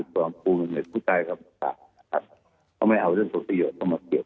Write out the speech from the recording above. สนุนโดยน้ำดื่มสิง